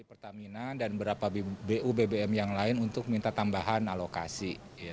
pertamina dan beberapa bu bbm yang lain untuk minta tambahan alokasi